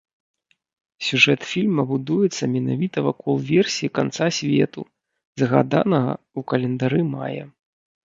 Сюжэт фільма будуецца менавіта вакол версіі канца свету, згаданага ў календары майя.